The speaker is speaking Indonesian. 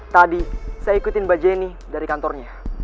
tadi saya ikutin mbak jenny dari kantornya